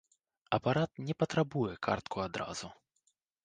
Апарат не патрабуе картку адразу.